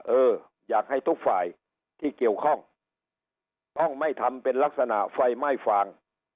เอออยากให้ทุกฝ่ายที่เกี่ยวข้องต้องไม่ทำเป็นลักษณะไฟไหม้ฟาง